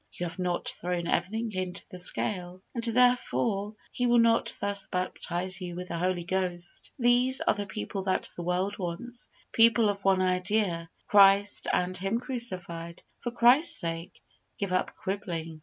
You have not thrown everything into the scale, and, therefore, He will not thus baptize you with the Holy Ghost. These are the people that the world wants people of one idea Christ, and Him crucified. For Christ's sake, give up quibbling.